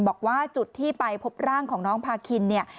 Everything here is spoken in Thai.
บอกว่าจุดที่ไปพบร่างของน้องพาคินเนี่ย